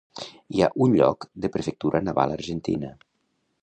Hi ha un lloc de Prefectura Naval Argentina.